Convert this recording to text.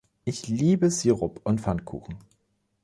Ich liebe Sirup und Pfannkuchen.